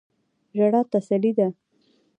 ژړا تسلی ده.